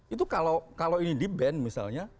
itu kalau ini di ban misalnya